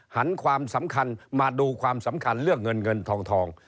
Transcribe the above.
หันความสำคัญมาดูความสำคัญเลือกเงินทอง